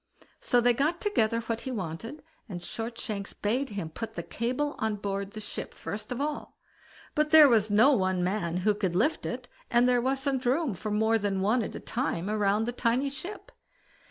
So they got together what he wanted, and Shortshanks bade him put the cable on board the ship first of all; but there was no one man who could lift it, and there wasn't room for more than one at a time round the tiny ship.